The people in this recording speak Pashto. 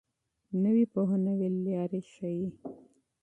نوې پوهه نوې لارې ښيي.